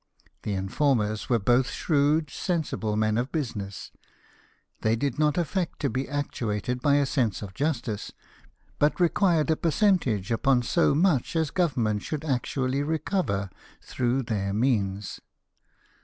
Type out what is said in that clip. The informers were both shrewd, sensible men of business : they did not affect to be actuated by a sense of justice, but required a percentage upon so much as Government should actually recover through their means.